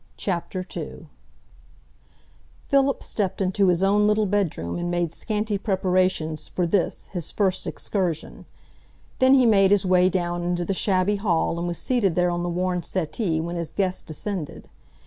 CHAPTER II Philip stepped into his own little bedroom and made scanty preparations for this, his first excursion. Then he made his way down into the shabby hall and was seated there on the worn settee when his guest descended.